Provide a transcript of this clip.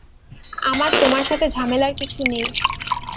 আমার তোমার সাথে ঝামেলার কিছু নেই।